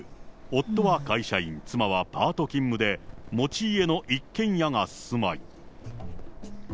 夫は会社員、妻はパート勤務で、持ち家の一軒家が住まい。